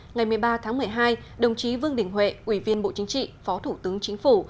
ngày một mươi ba tháng một mươi hai đồng chí vương đình huệ ủy viên bộ chính trị phó thủ tướng chính phủ